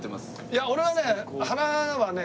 いや俺はね。